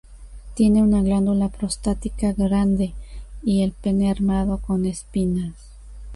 Tienen una glándula prostática grande, y el pene armado con espinas.